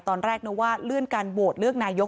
ตอนแรกนึกว่าเลื่อนการโหวตเลือกนายก